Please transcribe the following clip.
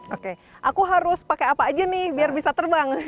oke aku harus pakai apa aja nih biar bisa terbang